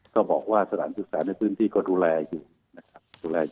ก็บอกว่าสถานศึกษาในพื้นที่ก็ดูแลอยู่นะครับ